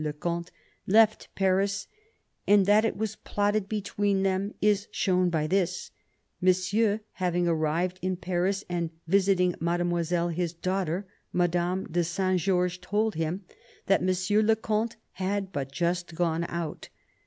le Comte) left Paris; and that it was plotted between them is shown by this : Monsieur having arrived in Paris, and visiting Mademoiselle his daughter, Madame de Saint Georges told him that M. le Comte had but just gone out.